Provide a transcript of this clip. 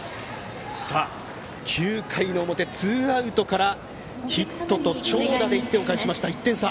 さあ、９回の表ツーアウトからヒットと長打で１点を返しました、１点差。